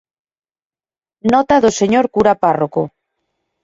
Nota do señor cura párroco